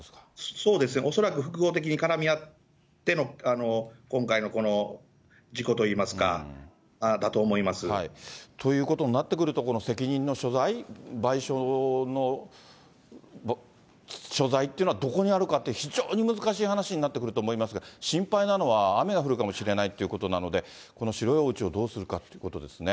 そうですね、恐らく複合的に絡み合っての今回のこの事故といいますか、だと思ということになってくると、この責任の所在、賠償の所在っていうのはどこにあるかって、非常に難しい話になってくると思いますが、心配なのは、雨が降るかもしれないっていうことなので、この白いおうちをどうするかということですね。